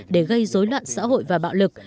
để gây dối loạn xã hội và bạo lực